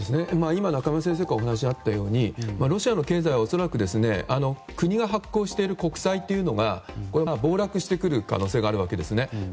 今、中村先生からお話があったようにロシアの経済は恐らく国が発行している国債が暴落してくる可能性があるんですね。